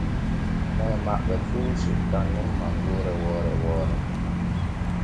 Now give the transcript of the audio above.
Moy maɓɓe fu suttan nun mangoore woore woore.